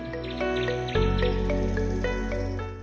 dan juga festival barong